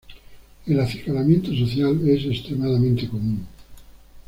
El acicalamiento social es extremadamente común.